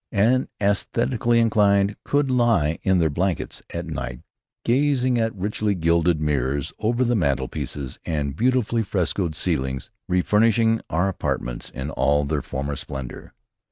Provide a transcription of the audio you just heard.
The æsthetically inclined could lie in their blankets at night, gazing at richly gilded mirrors over the mantelpieces and beautifully frescoed ceilings refurnishing our apartments in all their former splendor.